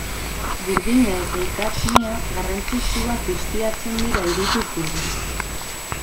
Burdina eta ikatz mea garrantzitsuak ustiatzen dira hiritik hurbil.